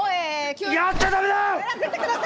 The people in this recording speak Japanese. やっちゃ駄目だ！